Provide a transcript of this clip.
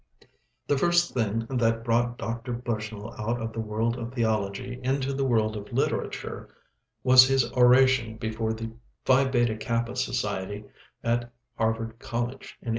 The first thing that brought Dr. Bushnell out of the world of theology into the world of literature was his oration before the Phi Beta Kappa Society at Harvard College in 1848.